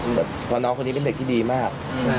เพราะน้องคนนี้เป็นเด็กที่ดีมาก